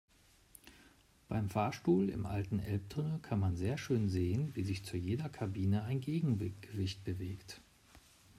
Beim Fahrstuhl im alten Elbtunnel kann man sehr schön sehen, wie sich zu jeder Kabine ein Gegengewicht bewegt.